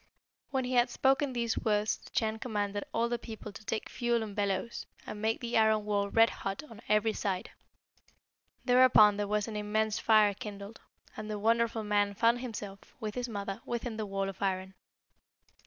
"When he had spoken these words the Chan commanded all the people to take fuel and bellows, and make the iron wall red hot on every side. Thereupon there was an immense fire kindled, and the Wonderful Man found himself, with his mother, within the wall of iron.